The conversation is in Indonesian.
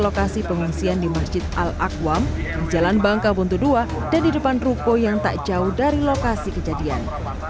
lokasi pengungsian di masjid al aqwam jalan bangka buntu ii dan di depan ruko yang tak jauh dari lokasi kejadian